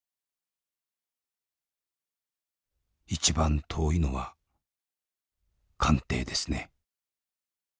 「一番遠いのは官邸ですね」。